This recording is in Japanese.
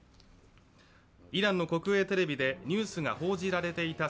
イランの国営テレビでニュースが報じられていた